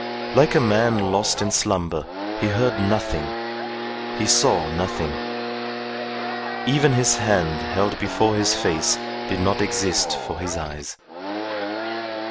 Like a man lost in slumber, he heard nothing, he saw nothing. Even his hand held before his face did not exist for his eyes.